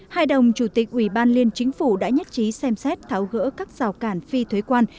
hai đồng chủ tịch ủy ban liên chính phủ đã nhắc trí xem xét tháo gỡ các rào cản phi thuế quan